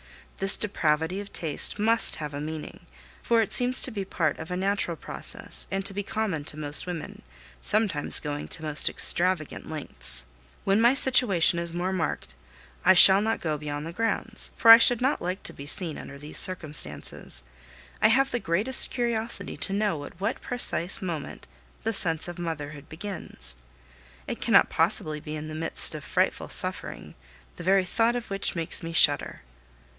This depravity of taste must have a meaning, for it seems to be part of a natural process and to be common to most women, sometimes going to most extravagant lengths. When my situation is more marked, I shall not go beyond the grounds, for I should not like to be seen under these circumstances. I have the greatest curiosity to know at what precise moment the sense of motherhood begins. It cannot possibly be in the midst of frightful suffering, the very thought of which makes me shudder.